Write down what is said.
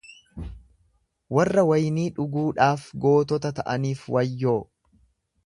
Warra waynii dhuguudhaaf gootota ta'aniif wayyoo!